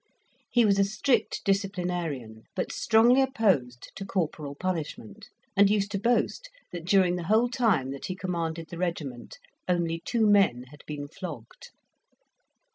He was a strict disciplinarian, but strongly opposed to corporal punishment, and used to boast that during the whole time that he commanded the regiment only two men had been flogged.